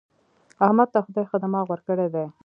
احمد ته خدای ښه دماغ ورکړی دی.